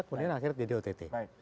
kemudian akhirnya jadi ott